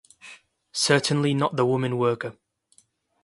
Certainly not the woman worker.